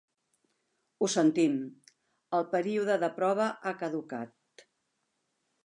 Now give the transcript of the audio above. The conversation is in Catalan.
Ho sentim, el període de prova ha caducat.